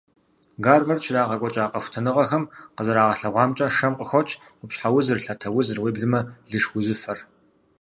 Гарвард щрагъэкӀуэкӀа къэхутэныгъэхэм къызэрагъэлъэгъуамкӀэ, шэм къыхокӀ къупщхьэ узыр, лъатэ узыр, уеблэмэ лышх узыфэр.